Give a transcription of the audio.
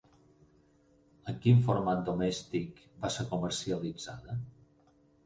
En quin format domèstic va ser comercialitzada?